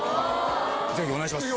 ぜひお願いします。